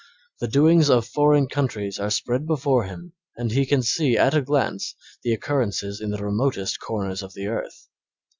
The doings of foreign countries are spread before him and he can see at a glance the occurrences in the remotest corners of earth.